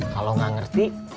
kalau enggak ngerti